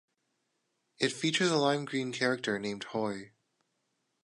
It features a lime green character named Hoi.